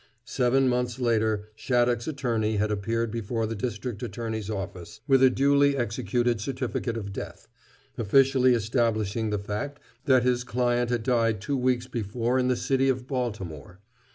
Seven months later Shattuck's attorney had appeared before the District Attorney's office with a duly executed certificate of death, officially establishing the fact that his client had died two weeks before in the city of Baltimore.